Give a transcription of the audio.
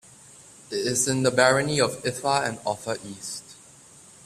It is in the barony of Iffa and Offa East.